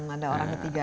ada orang ketiganya ya